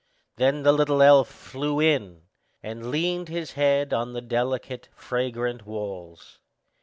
Then the little elf flew in, and leaned his head on the delicate, fragrant walls.